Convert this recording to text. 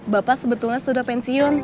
bapak sebetulnya sudah pensiun